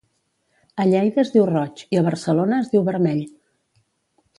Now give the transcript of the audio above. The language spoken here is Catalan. A Lleida es diu roig i a Barcelona es diu vermell